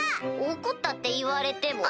怒ったって言われても。